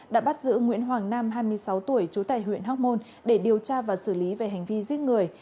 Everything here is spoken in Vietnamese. đã bắt giữ nguyễn hoàng nam hai mươi sáu tuổi trú tại huyện hóc môn để điều tra và xử lý về hành vi giết người